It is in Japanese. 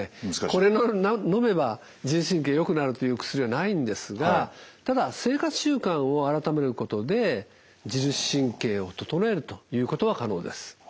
これをのめば自律神経よくなるという薬はないんですがただ生活習慣を改めることで自律神経を整えるということは可能です。